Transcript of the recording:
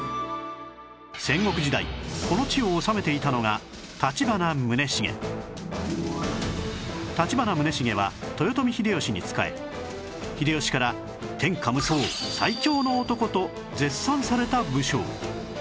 戦国時代この地を治めていたのが立花宗茂は豊臣秀吉に仕え秀吉から天下無双最強の男と絶賛された武将